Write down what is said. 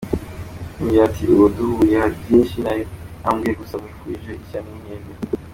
Yongeyeho ati “Ubu duhuye hari byinshi nari namubwiye, gusa mwifuriza ishya n’ihirwe.